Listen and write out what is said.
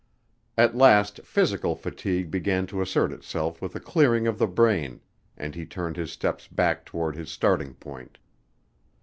At last physical fatigue began to assert itself with a clearing of the brain and he turned his steps back toward his starting point.